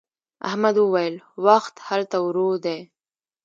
احمد وويل: وخت هلته ورو دی.